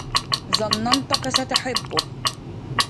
ظننتك ستحبه.